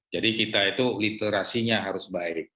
jadi kita itu literasinya harus baik